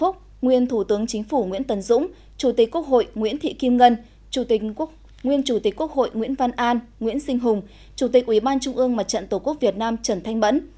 chủ tịch quốc hội nguyễn thị kim ngân nguyên chủ tịch quốc hội nguyễn văn an nguyễn sinh hùng chủ tịch ủy ban trung ương mặt trận tổ quốc việt nam trần thanh bẫn